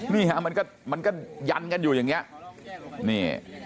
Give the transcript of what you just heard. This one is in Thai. มันก็ยันอยู่อย่างนี้